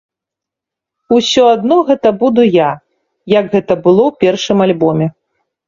Усё адно гэта буду я, як гэта было ў першым альбоме.